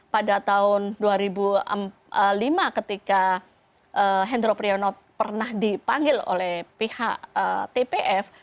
pada tahun dua ribu lima ketika hendro priyono pernah dipanggil oleh pihak tpf